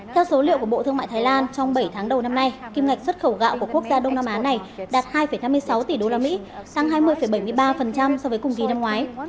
theo số liệu của bộ thương mại thái lan trong bảy tháng đầu năm nay kim ngạch xuất khẩu gạo của quốc gia đông nam á này đạt hai năm mươi sáu tỷ usd tăng hai mươi bảy mươi ba so với cùng kỳ năm ngoái